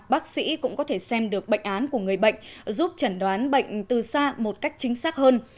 bác sĩ cũng có thể xem được bệnh án của người bệnh giúp chẩn đoán bệnh từ xa một cách chính xác hơn